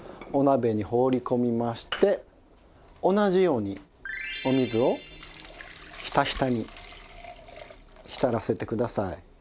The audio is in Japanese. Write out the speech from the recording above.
お鍋に放り込みまして同じようにお水をひたひたに浸らせてください。